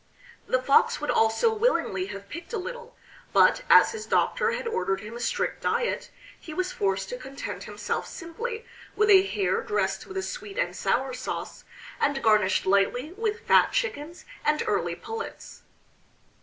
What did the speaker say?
The Fox would also willingly have picked a little, but as his doctor had ordered him a strict diet, he was forced to content himself simply with a hare dressed with a sweet and sour sauce, and garnished lightly with fat chickens and early pullets.